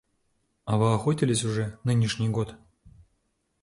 А вы охотились уже нынешний год?